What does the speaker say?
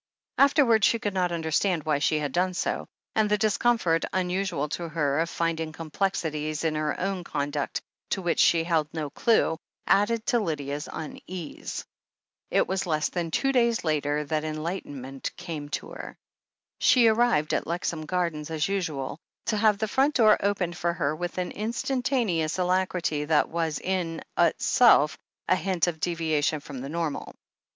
Afterwards she could not understand why she had done so, and the discomfort, unusual to her, of finding complexities in her own conduct to which she held no clue, added to Lydia's unease. It was less than two days later that enlightenment came to her. She arrived at Lexham Gardens as usual, to have the front door opened for her with an instantaneous alacrity that was in itself a hint of deviation from the normal.